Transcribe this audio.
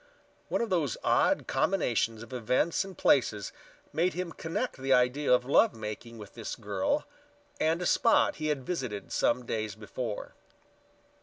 One of those odd combinations of events and places made him connect the idea of love making with this girl and a spot he had visited some days before.